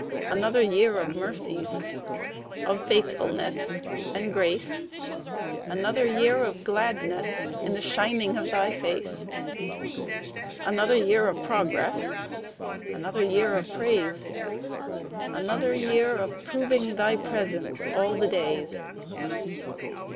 Another year of mercies, Of faithfulness and grace; Another year of gladness In the shining of Thy face. Another year of progress, Another year of praise; Another year of proving Thy presence 'all the days.'